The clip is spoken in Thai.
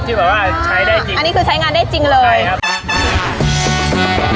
ที่แบบว่าใช้ได้จริงอันนี้คือใช้งานได้จริงเลยใช่ครับอ่า